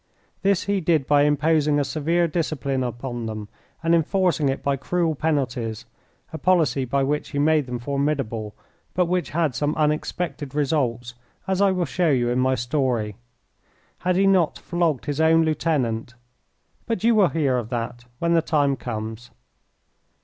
This he did by imposing a severe discipline upon them and enforcing it by cruel penalties, a policy by which he made them formidable, but which had some unexpected results, as I will show you in my story. Had he not flogged his own lieutenant but you will hear of that when the time comes.